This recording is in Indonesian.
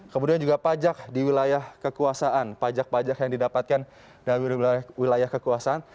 kemudian juga pajak di wilayah kekuasaan pajak pajak yang didapatkan dari wilayah kekuasaan